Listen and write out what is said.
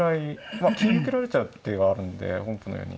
まあ金受けられちゃう手があるんで本譜のように。